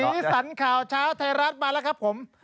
สีสันข่าวเช้าไทยรัฐมาแล้วครับผม